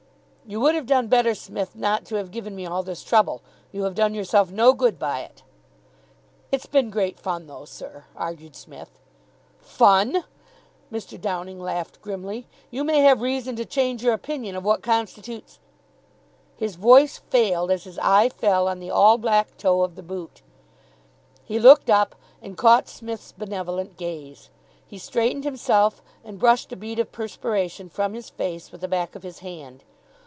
"You would have done better, Smith, not to have given me all this trouble. You have done yourself no good by it." "It's been great fun, though, sir," argued Psmith. "Fun!" Mr. Downing laughed grimly. "You may have reason to change your opinion of what constitutes " His voice failed as his eye fell on the all black toe of the boot. He looked up, and caught Psmith's benevolent gaze. He straightened himself and brushed a bead of perspiration from his face with the back of his hand.